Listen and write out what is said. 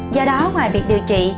do đó ngoài việc điều trị